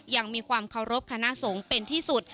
ยังมีความเคารพคณะสงฆ์เป็นที่สุด